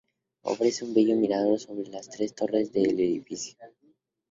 Ofrece un bello mirador sobre las tres torres del edificio.